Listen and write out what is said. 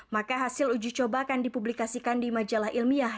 maka hasil uji coba akan dipublikasikan di majalah ilmiah